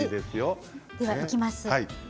では、いきます。